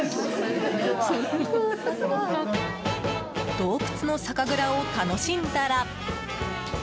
洞窟の酒蔵を楽しんだら。